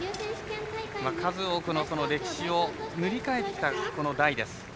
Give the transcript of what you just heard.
数多くの歴史を塗り替えてきた、この代です。